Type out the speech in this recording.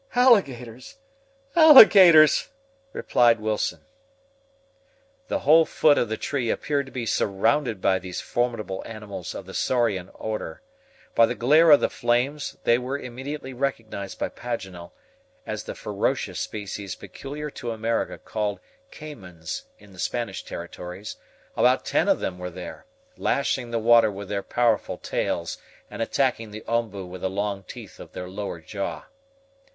"Alligators! alligators!" replied Wilson. The whole foot of the tree appeared to be surrounded by these formidable animals of the Saurian order. By the glare of the flames, they were immediately recognized by Paganel, as the ferocious species peculiar to America, called CAIMANS in the Spanish territories. About ten of them were there, lashing the water with their powerful tails, and attacking the OMBU with the long teeth of their lower jaw.